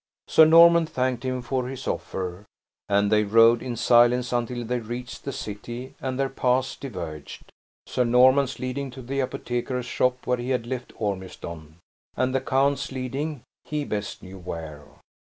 Sir Norman thanked him for his offer, and they rode in silence until they reached the city, and their paths diverged; Sir Norman's leading to the apothecary's shop where he had left Ormiston, and the count's leading he best knew where.